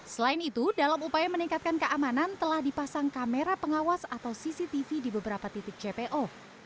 selain itu dalam upaya meningkatkan keamanan telah dipasang kamera pengawas atau cctv di beberapa titik jpo